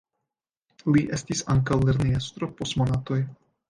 Li estis ankaŭ lernejestro post monatoj.